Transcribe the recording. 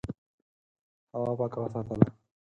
هوا پاکه وساته.